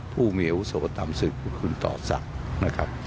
ผู้เมียวุษโศตรศัพท์คุณตอบศักดิ์นะครับ